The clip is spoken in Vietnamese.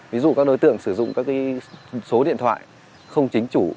ví dụ các đối tượng sử dụng các số điện thoại không chính chủ